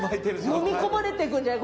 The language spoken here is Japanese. のみ込まれていくんじゃない？